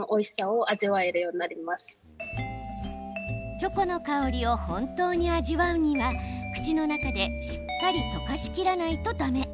チョコの香りを本当に味わうには口の中でしっかり溶かしきらないとだめ。